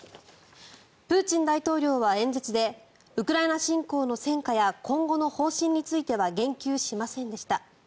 プーチン大統領は演説でウクライナ侵攻の戦果や今後の方針については言及しませんでした。